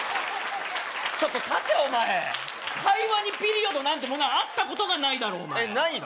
ちょっと立てお前会話にピリオドなんてものはあったことがないだろうお前えっないの？